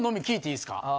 聞いていいですか？